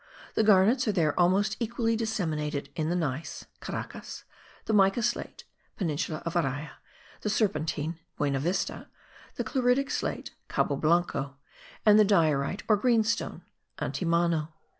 The gannets are there almost equally disseminated in the gneiss (Caracas), the mica slate (peninsula of Araya), the serpentine (Buenavista), the chloritic slate (Cabo Blanco), and the diorite or greenstone (Antimano).